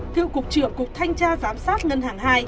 cựu cục trưởng cục thanh tra giám sát ngân hàng hai